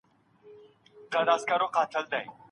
ډېره ډوډۍ به ماڼۍ ته یوړل نه سي.